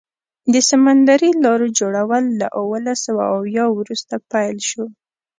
د سمندري لارو جوړول له اوولس سوه اویا وروسته پیل شو.